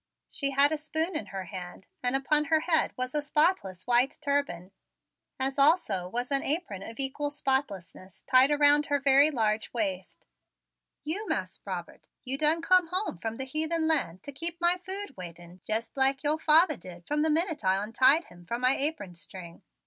She had a spoon in her hand and upon her head was a spotless white turban, as also was an apron of an equal spotlessness tied around her very large waist. "You, Mas' Robert, you done come home from the heathen land to keep my food waiting jest like yo' father did from the minute I ontied him from my apron string.